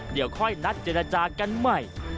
เดี๋ยวค่อยนัดเจรจากันใหม่